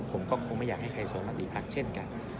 ผมก็คงไม่อยากให้ใครสอนมติภักดิ์เช่นกัน